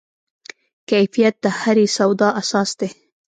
کیفیت د هرې سودا اساس دی.